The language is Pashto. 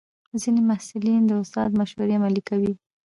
ځینې محصلین د استاد مشورې عملي کوي.